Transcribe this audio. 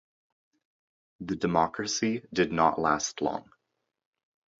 The democracy did not last long.